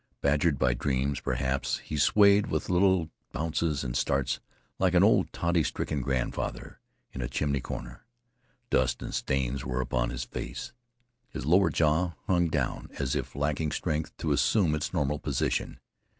Badgered by dreams, perhaps, he swayed with little bounces and starts, like an old toddy stricken grandfather in a chimney corner. Dust and stains were upon his face. His lower jaw hung down as if lacking strength to assume its normal position.